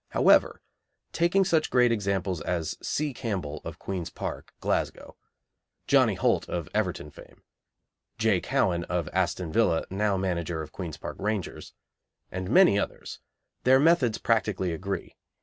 However, taking such great examples as C. Campbell, of Queen's Park, Glasgow; Johnnie Holt, of Everton fame; J. Cowan, of Aston Villa, now manager of Queen's Park Rangers, and many others, their methods practically agree.